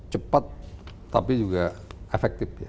cepat tapi juga efektif ya